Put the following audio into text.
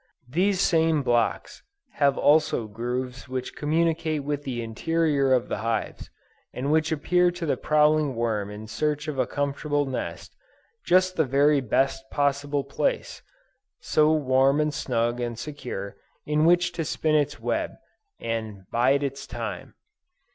These same blocks have also grooves which communicate with the interior of the hives, and which appear to the prowling worm in search of a comfortable nest, just the very best possible place, so warm and snug and secure, in which to spin its web, and "bide its time."